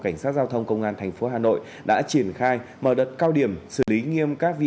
cảnh sát giao thông công an tp hà nội đã triển khai mở đợt cao điểm xử lý nghiêm các vi